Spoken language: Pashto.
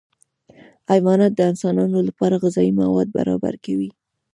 حیوانات د انسانانو لپاره غذایي مواد برابر کوي